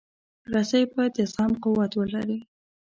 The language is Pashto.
رسۍ باید د زغم قوت ولري.